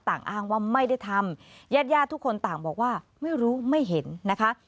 ตามอ้างว่าไม่ได้ทำยัดยาดทุกคนตามบอกว่าไม่รู้ไม่เห็นนะคะ